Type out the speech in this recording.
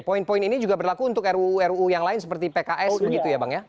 poin poin ini juga berlaku untuk ruu ruu yang lain seperti pks begitu ya bang ya